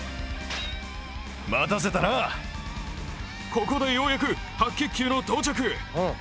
ここでようやく白血球の到着。